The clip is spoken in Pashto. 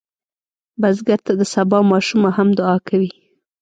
بزګر ته د سبا ماشومه هم دعا کوي